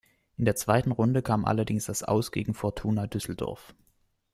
In der zweiten Runde kam allerdings das Aus gegen Fortuna Düsseldorf.